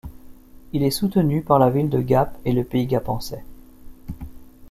Il est soutenu par la ville de Gap et le Pays gapençais.